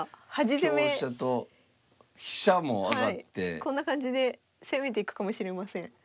こんな感じで攻めていくかもしれません。